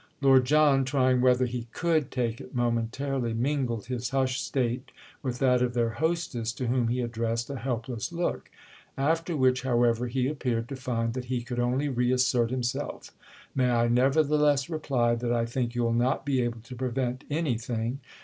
Lord John, trying whether he could take it, momentarily mingled his hushed state with that of their hostess, to whom he addressed a helpless look; after which, however, he appeared to find that he could only reassert himself. "May I nevertheless reply that I think you'll not be able to prevent anything?